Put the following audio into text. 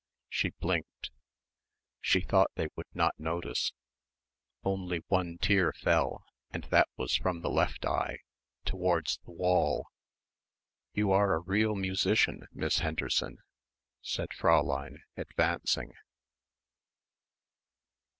She blinked. She thought they would not notice. Only one tear fell and that was from the left eye, towards the wall. "You are a real musician, Miss Henderson," said Fräulein, advancing.